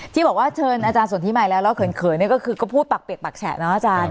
ที่บอกว่าเชิญอาจารย์สนทิใหม่แล้วแล้วเขินก็คือก็พูดปากเปียกปักแฉะเนาะอาจารย์